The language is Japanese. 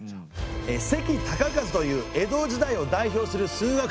関孝和という江戸時代を代表する数学者ですね。